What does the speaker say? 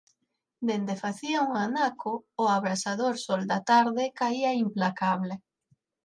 Dende facía un anaco, o abrasador sol da tarde caía implacable.